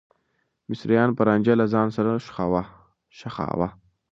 مصريان به رانجه له ځان سره ښخاوه.